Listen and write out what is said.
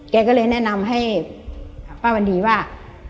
แกก็เลยแนะนำให้ป้าวันดีว่า